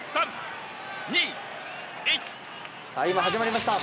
今始まりました。